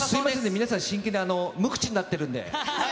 皆さん真剣で無口になってるんで。